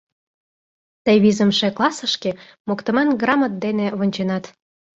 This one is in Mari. — Тый визымше классышке моктыман грамот дене вонченат.